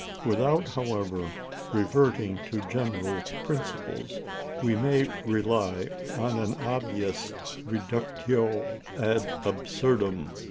Without, however, reverting to general principles, we may rely on an obvious reductio ad absurdum.